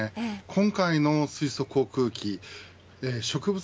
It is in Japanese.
今回の水素航空機植物